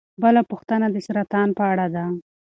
بله پوښتنه د سرطان په اړه ده.